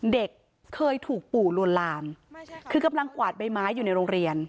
เด็กเคยถูกปู่ลวนลามคือกำลังกวาดใบไม้อยู่ในโรงเรียน